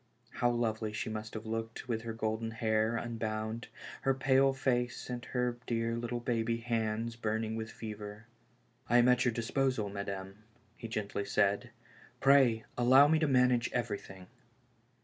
How lovely she must have looked with her golden hair unbound, her pale face and her dear little baby hands burning with fever. '' I am at your disposal, madame," he gently said. Pray allow me to manage everything."